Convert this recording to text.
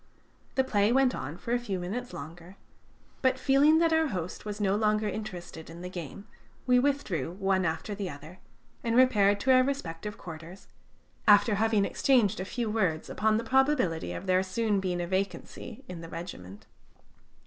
The play went on for a few minutes longer, but feeling that our host was no longer interested in the game, we withdrew one after the other, and repaired to our respective quarters, after having exchanged a few words upon the probability of there soon being a vacancy in the regiment.